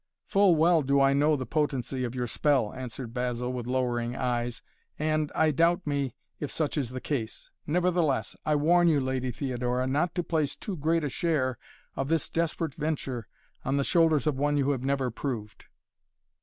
"Full well do I know the potency of your spell," answered Basil with lowering eyes, "and, I doubt me, if such is the case. Nevertheless, I warn you, Lady Theodora, not to place too great a share of this desperate venture on the shoulders of one you have never proved."